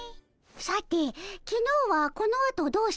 さてきのうはこのあとどうしたかの？